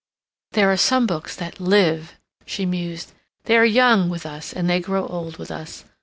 "There are some books that live," she mused. "They are young with us, and they grow old with us.